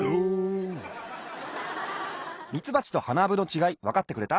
ミツバチとハナアブのちがいわかってくれた？